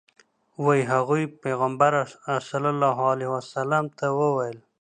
وایي هغوی پیغمبر صلی الله علیه وسلم ته وویل.